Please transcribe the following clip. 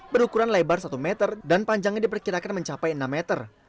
berukuran lebar satu meter dan panjangnya diperkirakan mencapai enam meter